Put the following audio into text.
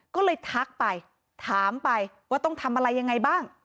ก็เลยทักไปถามไปว่าต้องทำอะไรยังไงบ้าง